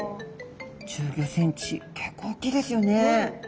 １５ｃｍ結構大きいですよね。